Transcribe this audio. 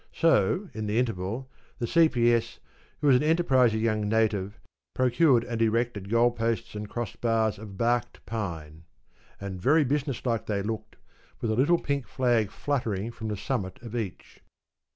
So, in the interval, the C.P.S., who was an enterprising young Native, procured and erected goal posts and cross bars of barked pine; and very business like they looked with a little pink flag fluttering from the summit of each.